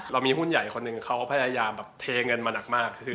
มีหุ้นใหญ่คนหนึ่งเขาพยายามแบบเทเงินมาหนักมาก